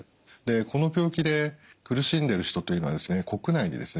この病気で苦しんでいる人というのは国内にですね